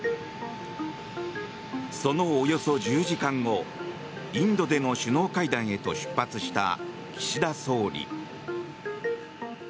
そのおよそ１０時間後インドでの首脳会談へと出発した岸田総理。